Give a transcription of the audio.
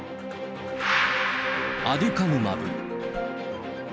アデュカヌマブ。